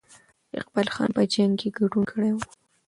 اقبال خان په جنګ کې ګډون کړی وو.